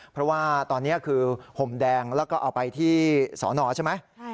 เพราะว่าตอนนี้คือห่มแดงแล้วก็เอาไปที่สอนอใช่ไหม